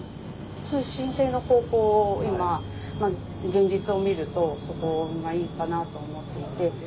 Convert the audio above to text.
通信制の高校を今現実を見るとそこがいいかなと思っていて。